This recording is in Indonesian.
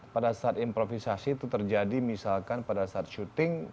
pada saat improvisasi itu terjadi misalkan pada saat syuting